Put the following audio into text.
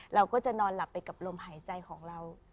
เราก็จะนอนหลับไปกับลมหายใจของเรา